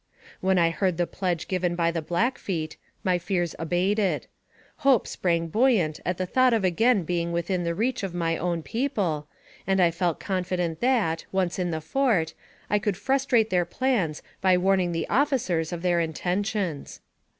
When I heard the pledge given by the Black feet, my fears abated ; hope sprang buoyant at the thought of a:ain being within the reach of my own people, and I felt confident that, once in the fort, I could frus trate their plans by warning the officers of their in tentions.